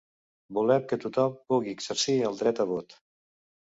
Volem que tothom pugui exercir el dret a vot.